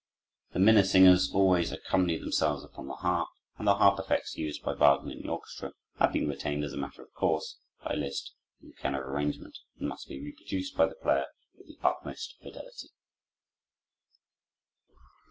The Minnesingers always accompany themselves upon the harp, and the harp effects used by Wagner in the orchestra have been retained, as a matter of course, by Liszt in the piano arrangement, and must be reproduced by the player with the utmost fidelity.